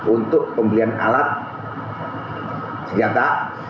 untuk pembelian alat senjata